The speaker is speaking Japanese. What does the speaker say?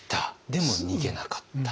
でも逃げなかった。